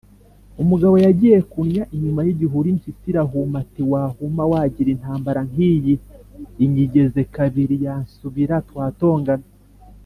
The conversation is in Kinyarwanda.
Umugabo yagiye kunnya inyuma y’igihuru impyisi irahuma, ati: wahuma wagira, intambara nk’iyi inyigeze kabiri yansubira twatongana.